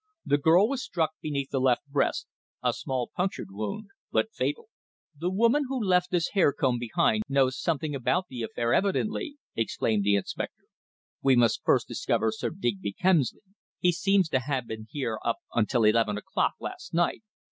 "The girl was struck beneath the left breast a small punctured wound, but fatal!" "The woman who left this hair comb behind knows something about the affair evidently," exclaimed the inspector. "We must first discover Sir Digby Kemsley. He seems to have been here up until eleven o'clock last night.